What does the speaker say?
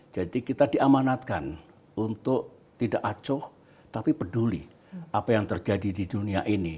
kita diamanatkan untuk tidak acoh tapi peduli apa yang terjadi di dunia ini